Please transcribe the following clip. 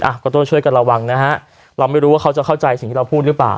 ก็ต้องช่วยกันระวังนะฮะเราไม่รู้ว่าเขาจะเข้าใจสิ่งที่เราพูดหรือเปล่า